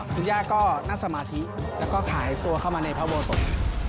คุณย่าก็นั่งสมาธิแล้วก็ขายตัวเข้ามาในพระโบสถ